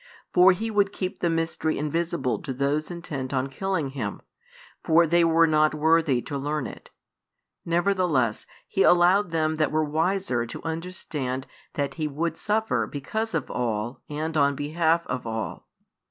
For He would keep the mystery invisible to those intent on killing Him; for |157 they were not worthy to learn it: nevertheless, He allowed them that were wiser to understand that He would suffer because of all and on behalf of all.